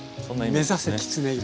目指せきつね色！